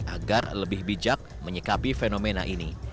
agar lebih bijak menyikapi fenomena ini